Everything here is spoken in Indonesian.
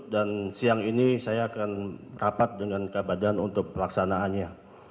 dan siang ini saya akan rapat dengan kabadan untuk pelaksanaannya